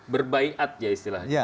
berbaikat ya istilahnya